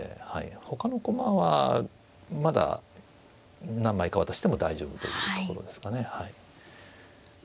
ほかの駒はまだ何枚か渡しても大丈夫というところですかね。